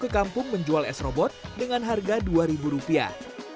ke kampung menjual s robot dengan harga dua ribu rupiah